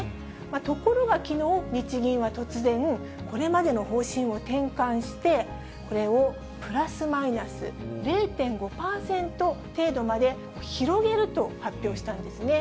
ところがきのう、日銀は突然、これまでの方針を転換して、これをプラスマイナス０．５％程度まで広げると発表したんですね。